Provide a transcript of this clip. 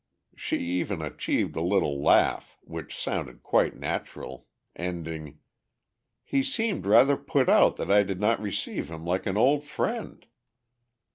She even achieved a little laugh which sounded quite natural, ending, "He seemed rather put out that I did not receive him like an old friend!"